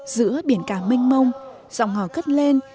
giữa biển cả mênh mông dòng hò gất lên